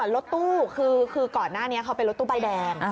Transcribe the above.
รถตู้คือก่อนหน้านี้เขาเป็นรถตู้ใบแดง